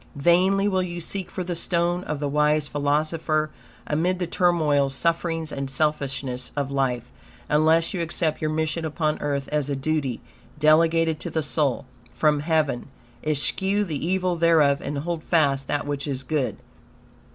Vainly will you seek for this stone of the wise philosopher amid the turmoils, sufferings, and selfishness of life, unless you accept your mission upon earth as a duty, delegated to the soul, from Heaven. Eschew the evil thereof, and hold fast that which is good.